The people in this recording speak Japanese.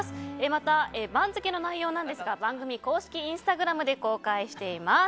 また、番付の内容は番組公式インスタグラムで公開しています。